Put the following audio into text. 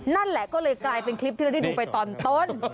นั่นแหละก็เลยกลายเป็นคลิปที่เราได้ดูไปตอนต้น